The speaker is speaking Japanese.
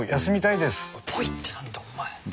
「ぽい」って何だお前。